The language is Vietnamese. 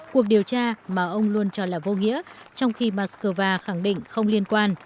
cuộc điều tra mà ông luôn cho là vô nghĩa trong khi moscow khẳng định không liên quan